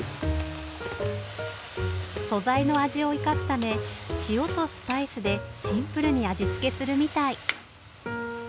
素材の味を生かすため塩とスパイスでシンプルに味付けするみたい。